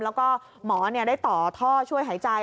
แล้วก็หมอได้ต่อท่อช่วยหายใจ